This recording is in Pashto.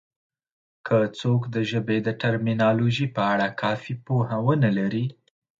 که څوک د ژبې د ټرمینالوژي په اړه کافي پوهه ونه لري